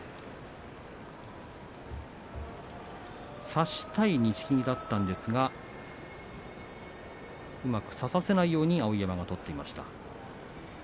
差したい錦木だったんですがうまく差させないように碧山が取っていました。